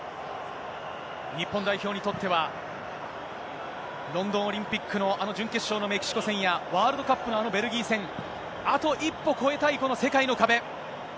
日本代表にとっては、ロンドンオリンピックのあの準決勝のメキシコ戦や、ワールドカップのあのベルギー戦、あと一歩越えたい、この世界の壁。